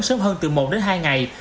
sớm hơn từ một đến hai ngày